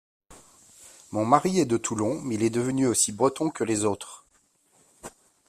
Mon mari est de Toulon, mais il est devenu aussi breton que les autres.